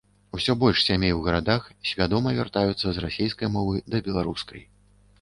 Усё больш сямей у гарадах свядома вяртаюцца з расейскай мовы да беларускай.